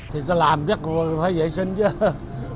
thì ta làm chắc phải vệ sinh chứ